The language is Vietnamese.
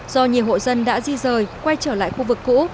do nhiều hộ dân đã di rời quay trở lại khu vực cũ